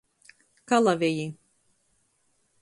Kalaveji.